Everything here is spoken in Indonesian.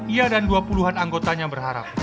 ia dan dua puluh an anggotanya berharap